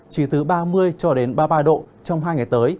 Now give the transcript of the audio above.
chỉ từ ba mươi cho đến ba mươi ba độ